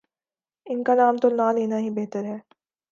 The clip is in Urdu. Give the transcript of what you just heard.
ان کا نام تو نہ لینا ہی بہتر ہے۔